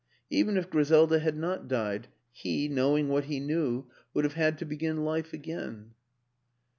Even if Griselda had not died he, knowing what he knew, would have had to begin life again.